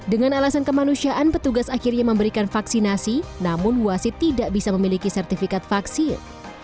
dengan alasan kemanusiaan petugas akhirnya memberikan vaksinasi namun wasit tidak bisa memiliki sertifikat vaksin